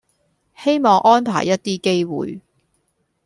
希望安排一啲機會